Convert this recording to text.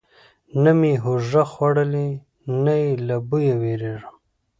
نه مې هوږه خوړلې، نه یې له بویه ویریږم.